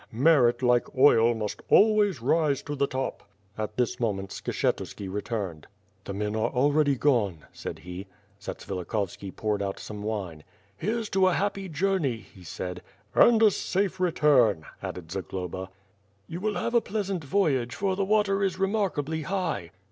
Merit like oil, must always rise to the top." At this moment Skshetuski returned. "The men are already gone/' said he. Zatsvilikhovski poured out some wine. "Here's to a happy journey/' he said. "And a safe return," added Zagloba. "You will have a pleasant voyage; for the water is remark ably high."